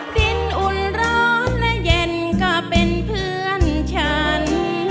ดินอุ่นร้อนและเย็นก็เป็นเพื่อนฉัน